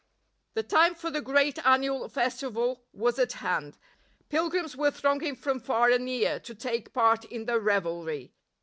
_ The time for the great annual festival was at hand. Pilgrims were thronging from far and near to take part in the revelry.